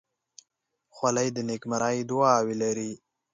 خولۍ د نیکمرغۍ دعاوې لري.